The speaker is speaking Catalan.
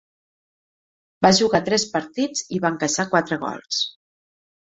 Va jugar tres partits i va encaixar quatre gols.